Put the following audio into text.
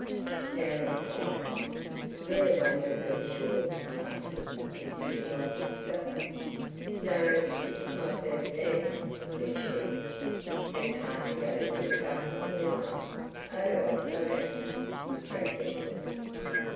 It sounded tired. Leila wondered whether she ought to ask him if he would like to stop. "No, this is my first dance," said she. Her partner gave a little gasping laugh. "Oh, I say," he protested.